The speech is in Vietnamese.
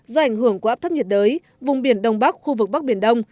do ảnh hưởng của áp thấp nhiệt đới vùng biển đông bắc khu vực bắc biển đông